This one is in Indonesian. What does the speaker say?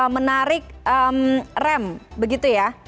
menarik rem begitu ya